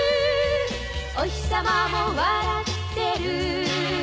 「おひさまも笑ってる」